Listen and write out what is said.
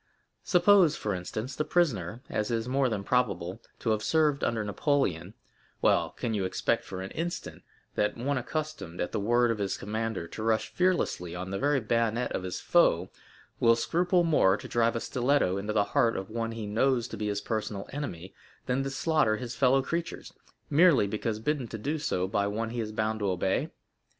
Suppose, for instance, the prisoner, as is more than probable, to have served under Napoleon—well, can you expect for an instant, that one accustomed, at the word of his commander, to rush fearlessly on the very bayonets of his foe, will scruple more to drive a stiletto into the heart of one he knows to be his personal enemy, than to slaughter his fellow creatures, merely because bidden to do so by one he is bound to obey?